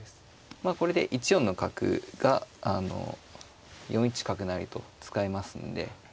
まあこれで１四の角があの４一角成と使えますので。